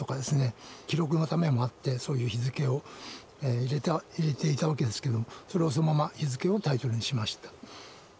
記録のためもあってそういう日付を入れていたわけですけどそれをそのまま日付をタイトルにしました。